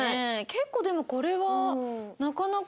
結構でもこれはなかなか攻めるね。